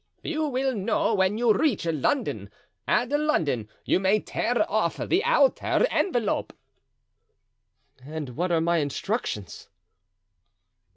"You will know when you reach London; at London you may tear off the outer envelope." "And what are my instructions?"